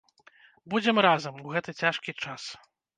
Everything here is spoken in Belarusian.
Будзем разам у гэты цяжкі час!